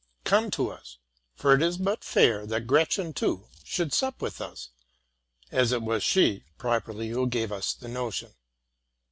Come to us; for it is but fair that Gretchen, £00; should sup with us, as it was she properly who gave us the notion.